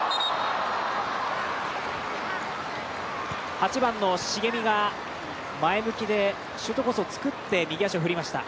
８番、重見が前向きでシュートコースを作って右足を振りました。